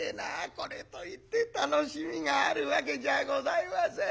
これといって楽しみがあるわけじゃございません。